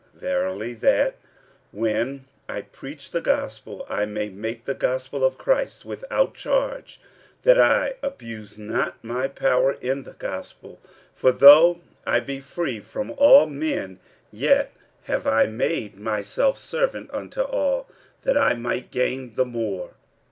Verily that, when I preach the gospel, I may make the gospel of Christ without charge, that I abuse not my power in the gospel. 46:009:019 For though I be free from all men, yet have I made myself servant unto all, that I might gain the more.